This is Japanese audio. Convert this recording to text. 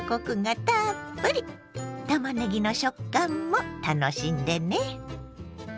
たまねぎの食感も楽しんでね。